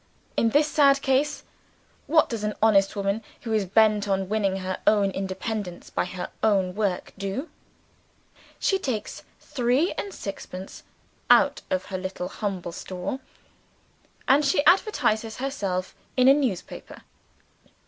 In this sad case, what does an honest woman who is bent on winning her own independence by her own work, do? She takes three and sixpence out of her little humble store; and she advertises herself in a newspaper.